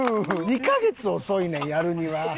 ２カ月遅いねんやるには。